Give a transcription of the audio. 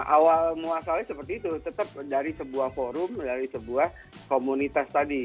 awal muasalnya seperti itu tetap dari sebuah forum dari sebuah komunitas tadi